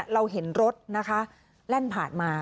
ตอนนั้นเราเห็นรถแล่นผ่านมา